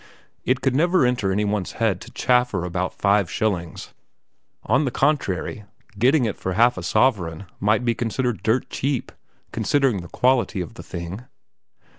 It could never enter any one's head to chaffer about five shillings; on the contrary, getting it for half a sovereign might be considered dirt cheap, considering the quality of the thing.